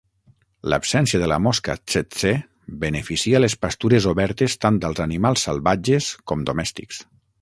L'absència de la mosca tse-tse beneficia les pastures obertes tant als animals salvatges com domèstics.